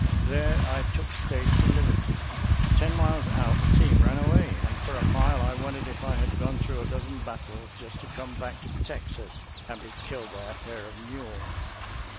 There I took stage to Liberty. Ten miles out the team ran away, and for a mile I wondered if I had gone through a dozen battles just to come back to Texas and be killed by a pair of mules.